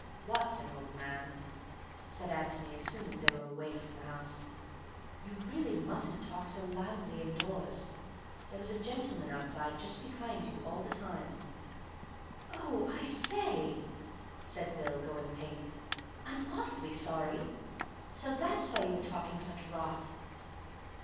"Watson, old man," said Antony, as soon as they were away from the house, "you really mustn't talk so loudly indoors. There was a gentleman outside, just behind you, all the time." "Oh, I say," said Bill, going pink. "I'm awfully sorry. So that's why you were talking such rot."